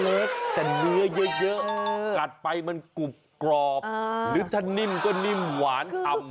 เล็กแต่เนื้อเยอะกัดไปมันกรุบกรอบหรือถ้านิ่มก็นิ่มหวานชำ